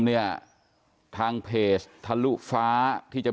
เนี่ยทางเพจทะลุฟ้าที่จะ